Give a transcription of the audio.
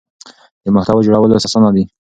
د محتوا جوړول اوس اسانه دي.